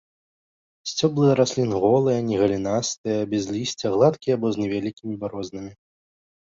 Сцёблы раслін голыя, не галінастыя, без лісця, гладкія або з невялікімі барознамі.